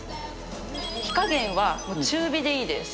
火加減は中火でいいです。